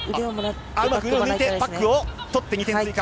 うまく腕を抜いてバックを取って２点追加。